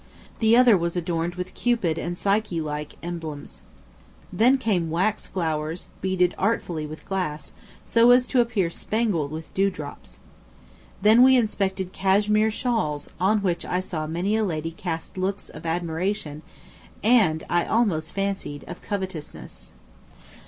The other was adorned with Cupid and Psyche like emblems. Then came wax flowers, beaded artfully with glass, so as to appear spangled with dewdrops. Then we inspected Cashmere shawls, on which I saw many a lady cast looks, of admiration, and, I almost fancied, of covetousness.